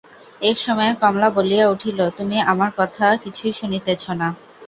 এক সময়ে কমলা বলিয়া উঠিল, তুমি আমার কথা কিছুই শুনিতেছ না।